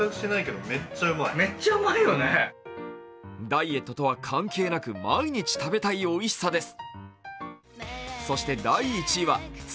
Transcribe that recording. ダイエットとは関係なく毎日食べたいおいしさです。